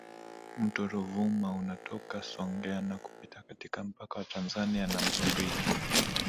Mto Ruvuma unatoka Songea na kupita katika mpaka wa Tanzania na Msumbiji